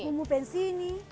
bumbu pensi ini